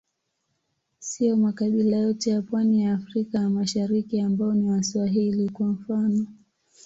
Siyo makabila yote ya pwani ya Afrika ya Mashariki ambao ni Waswahili, kwa mfano.